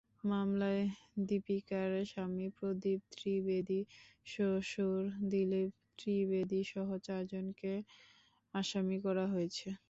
মামলায় দীপিকার স্বামী প্রদীপ ত্রিবেদী, শ্বশুর দিলীপ ত্রিবেদীসহ চারজনকে আসামি করা হয়েছে।